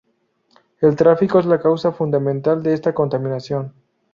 el tráfico es la causa fundamental de esta contaminación.